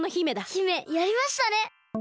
姫やりましたね！